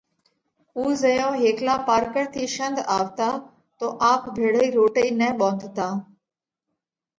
اُو زئيون هيڪلا پارڪر ٿِي شنڌ آوَتا تو آپ ڀيۯئِي روٽئِي نہ ٻونڌتا۔